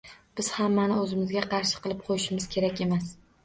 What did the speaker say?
Biz hammani o‘zimizga qarshi qilib qo‘yishimiz kerak emas